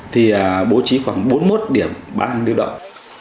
thì bố trí khoảng bốn mươi một điểm bán lưu động